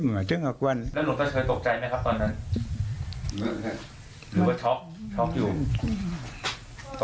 ฮะแล้วเธอเคยตกใจนะครับตอนนั้น